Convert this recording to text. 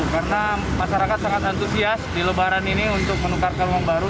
karena masyarakat sangat antusias di lebaran ini untuk menukarkan uang baru